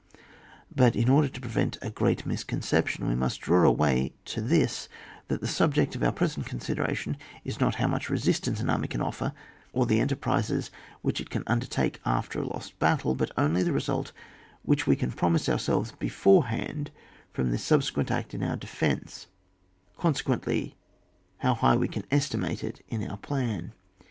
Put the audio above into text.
But in order to prevent a g^at mis conception, we must draw attention to this, that the subject of our present consideration is not how much resistance an army can offer, or the enterprises which it can undertake afker a lost battle, but only the result which we can promise ourselves beforehand from this second act in our defence ; consequently, how high we can estimate it in our plan.